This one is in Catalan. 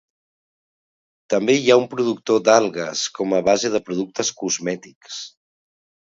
També hi ha un productor d'algues com a base de productes cosmètics.